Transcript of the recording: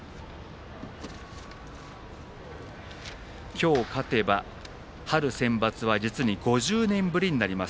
今日、勝てば春センバツは実に５０年ぶりになります